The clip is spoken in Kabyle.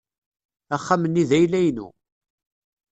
Axxam-nni d ayla-inu.